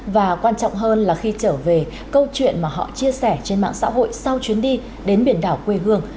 và quan trọng hơn là khi trở về câu chuyện mà họ chia sẻ trên mạng xã hội sau chuyến đi đến biển đảo quê hương